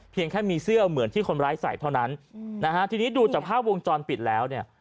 แค่มีเสื้อเหมือนที่คนร้ายใส่เท่านั้นนะฮะทีนี้ดูจากภาพวงจรปิดแล้วเนี่ย